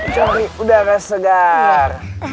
cari udara segar